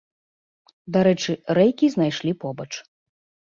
Дарэчы, рэйкі знайшлі побач.